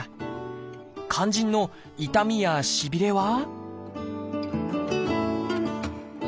肝心の痛みやしびれは？